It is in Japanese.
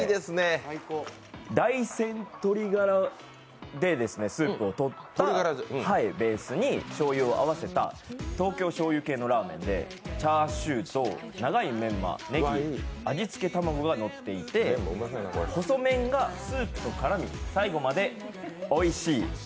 大山どりがらでスープをとったベースに醤油を合わせた東京しょうゆ系のラーメンでチャーシューと長いメンマねぎ、味付け卵がのっていて細麺がスープと絡み、最後までおいしい。